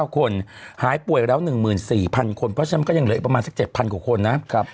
๙คนหายป่วยแล้ว๑๔๐๐คนเพราะฉะนั้นก็ยังเหลืออีกประมาณสัก๗๐๐กว่าคนนะ